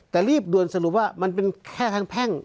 แต่รีบด่วนสรุปว่ามันเป็นแค่ทางแพ่ง